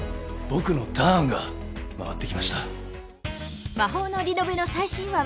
僕のターンが回ってきました。